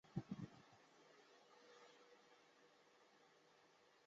周春桃被宋徽宗授为才人之位。